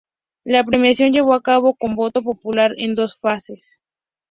La premiación llevó a cabo con voto popular en dos fases.